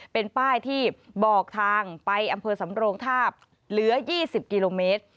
เป็นป้ายที่บอกทางไปอำเภอสำโรงทาบเหลือ๒๐กิโลเมตร